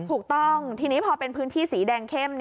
ถูกต้องทีนี้พอเป็นพื้นที่สีแดงเข้ม